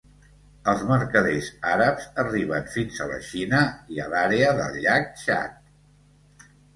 Els mercaders àrabs arriben fins a la Xina i a l'àrea del llac Txad.